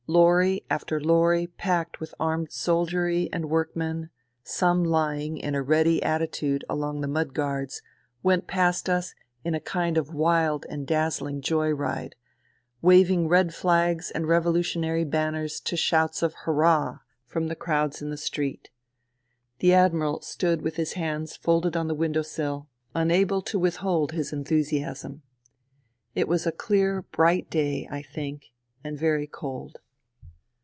Lorry after lorry packed with armed soldiery and workmen, some lying in a ready " attitude along the mudguards, went past us in a kind of wild and dazzling joy ride, waving red flags and revolutionary banners to shouts of " Hurrah !" from the crowds in the street. The Admiral stood with his hands folded on the window sill, unable to 86 FUTILITY withhold his enthusiasm. It was a clear, bright day, I think, and very cold.